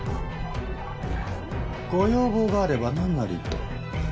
ご要望があればなんなりと。